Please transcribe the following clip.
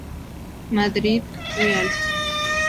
Madrid, Rialp.